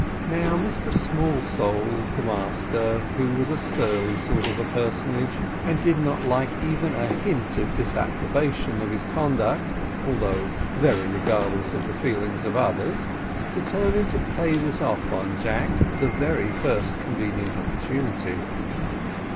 Now Mr Smallsole, the master, who was a surly sort of a personage, and did not like even a hint of disapprobation of his conduct, although very regardless of the feeling of others, determined to pay this off on Jack, the very first convenient opportunity.